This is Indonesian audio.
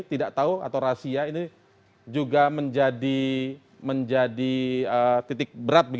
tidak tahu atau rahasia ini juga menjadi titik berat